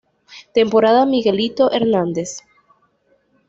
Temporada "Miguelito" Hernández